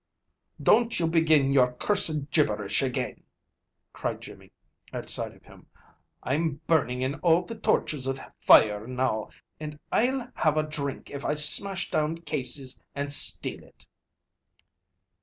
"Don't you begin your cursed gibberish again," cried Jimmy, at sight of him. "I'm burning in all the tortures of fire now, and I'll have a drink if I smash down Casey's and steal it."